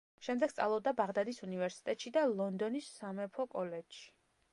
შემდეგ სწავლობდა ბაღდადის უნივერსიტეტში და ლონდონის სამეფო კოლეჯში.